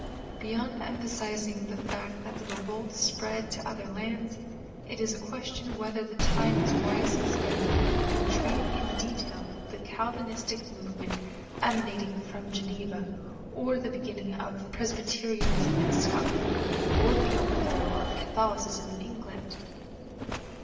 Beyond emphasizing the fact that the revolt spread to other lands, it is a question whether the time is wisely spent in treating in detail the Calvinistic movement emanating from Geneva, or the beginnings of Presbyterianism in Scotland, or the overthrow of Catholicism in England.